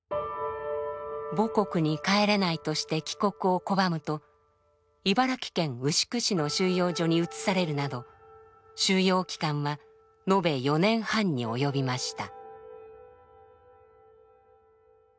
母国に帰れないとして帰国を拒むと茨城県牛久市の収容所に移されるなど収容期間は延べ４年半に及びました。